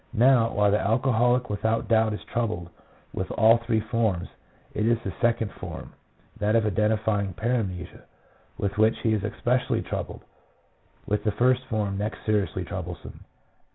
Now, while the alcoholic without doubt is troubled with all three forms, it is the second form, that of identifying paramnesia, with which he is especially troubled ; with the first form next seriously trouble some.